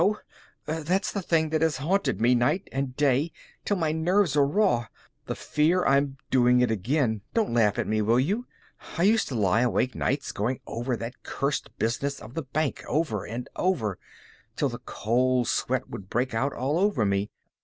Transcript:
That's the thing that has haunted me day and night, till my nerves are raw. The fear of doing it again. Don't laugh at me, will you? I used to lie awake nights going over that cursed business of the bank over and over till the cold sweat would break out all over me.